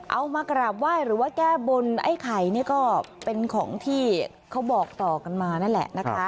เอามากราบไหว้หรือว่าแก้บนไอ้ไข่นี่ก็เป็นของที่เขาบอกต่อกันมานั่นแหละนะคะ